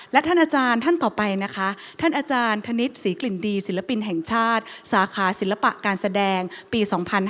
และท่านอาจารย์ท่านต่อไปนะคะท่านอาจารย์ธนิษฐ์ศรีกลิ่นดีศิลปินแห่งชาติสาขาศิลปะการแสดงปี๒๕๕๙